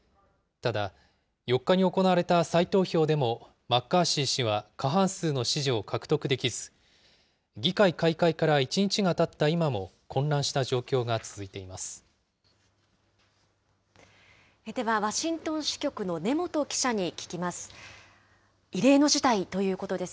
ただ、４日に行われた再投票でもマッカーシー氏は過半数の支持を獲得できず、議会開会から１日がたった今も、混乱した状況が続いています。